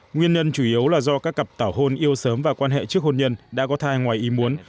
nguyên nhân chủ yếu là do các cặp tảo hôn yêu sớm và quan hệ trước hôn nhân đã có thai ngoài ý muốn